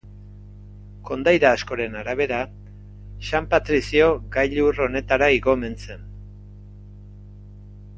Kondaira askoren arabera San Patrizio gailur honetara igo omen zen.